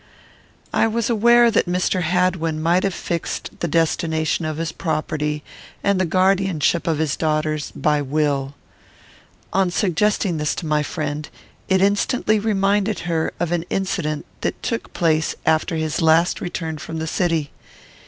I was aware that Mr. Hadwin might have fixed the destination of his property, and the guardianship of his daughters, by will. On suggesting this to my friend, it instantly reminded her of an incident that took place after his last return from the city.